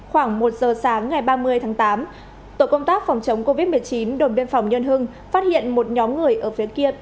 khoảng một giờ sáng ngày ba mươi tháng tám tổ công tác phòng chống covid một mươi chín đồn biên phòng nhân hưng phát hiện một nhóm người ở phía kia